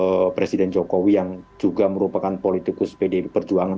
kerabat presiden jokowi yang juga merupakan politikus bdp perjuangan